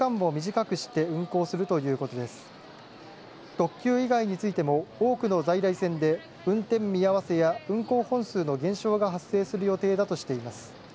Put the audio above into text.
特急以外についても多くの在来線で運転見合わせや運行本数の減少が発生する予定だとしています。